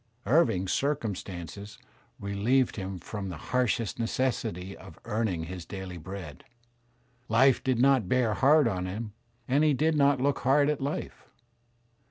Living's circumstances relieved him from the harshest necessity of earning his daily bread. Life did not bear hard on him and he did not look hard at life.